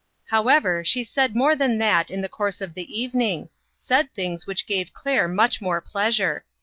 However, she said more than that in the course of the evening ; said things which gave Claire much more pleasure.